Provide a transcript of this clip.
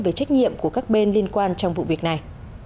về trách nhiệm của các bên liên quan trong vụ việc này